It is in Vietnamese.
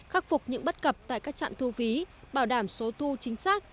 khắc phục những bất cập tại các trạm thu phí bảo đảm số thu chính xác